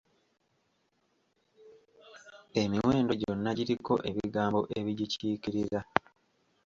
Emiwendo gyonna giriko ebigambo ebigikiikirira.